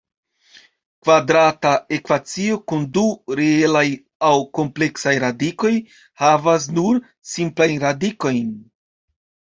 Kvadrata ekvacio kun du reelaj aŭ kompleksaj radikoj havas nur simplajn radikojn.